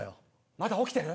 まだ起きてる？